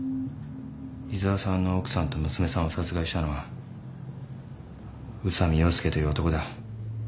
井沢さんの奥さんと娘さんを殺害したのは宇佐美洋介という男だ。